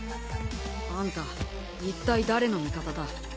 あんた一体誰の味方だ？